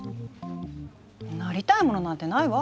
なりたいものなんてないわ。